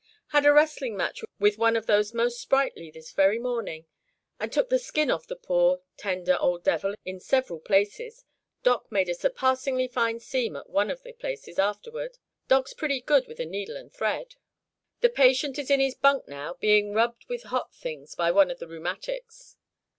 "Had a wrestling match with one of the most sprightly, this very morning, and took the skin off the poor, tender old devil in several places. Doc made a surpassingly fine seam at one of the places afterward Doc's pretty good with a needle and thread. The patient is in his bunk now, being rubbed with hot things by one of the rheumatics.